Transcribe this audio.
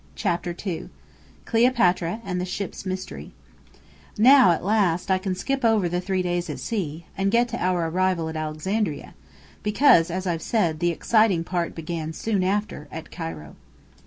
CHAPTER II CLEOPATRA AND THE SHIP'S MYSTERY Now, at last, I can skip over the three days at sea, and get to our arrival at Alexandria, because, as I've said, the exciting part began soon after, at Cairo.